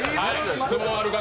質問ある方？